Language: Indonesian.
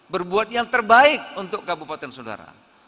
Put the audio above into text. berbuat yang terbaik untuk kabupaten saudara